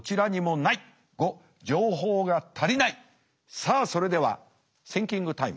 さあそれではシンキングタイム。